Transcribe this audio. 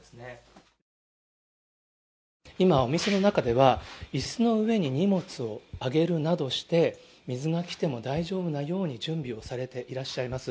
今、お店の中では、いすの上に荷物を上げるなどして、水が来ても大丈夫なように準備をされていらっしゃいます。